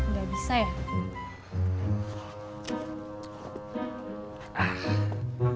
gak bisa ya